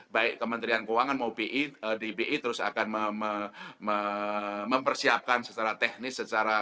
baik kementerian keuangan mau di bi terus akan mempersiapkan secara teknis